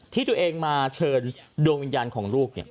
ที่ตัวเองมาเชิญดวงวิญญาณของลูก